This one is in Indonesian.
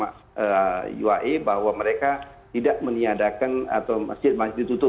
jadi kita sudah melihat selama uae bahwa mereka tidak meniadakan atau masjid masih ditutup